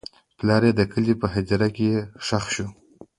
پلار یې د کلي په هدیره کې ښخ شو.